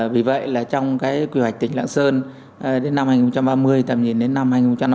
vì vậy trong quy hoạch tỉnh lạng sơn đến năm hai nghìn ba mươi tầm nhìn đến năm hai nghìn năm mươi